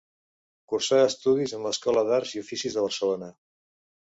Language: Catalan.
Cursà estudis en l'Escola d'arts i oficis de Barcelona.